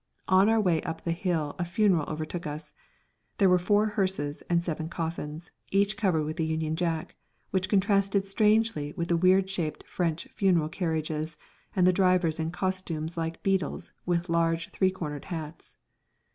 On our way up the hill a funeral overtook us. There were four hearses and seven coffins, each covered with a Union Jack, which contrasted strangely with the weird shaped French funeral carriages and the drivers in costumes like beadles with large three cornered hats.